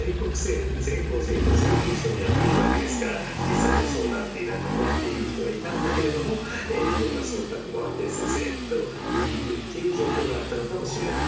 全校生徒、全部一緒にやっているわけですから、実際にはそうなっている人はいたんだけれども、いろんなそんたくもあって、先生と言いにくいという状況があったのかもしれない。